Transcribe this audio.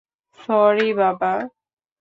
Sorry, বাবা।